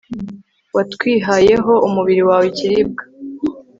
watwihayeho umubiri wawe, ikiribwa